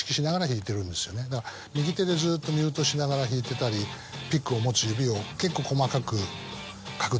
右手でずっとミュートしながら弾いてたりピックを持つ指を結構細かく角度を変えたり。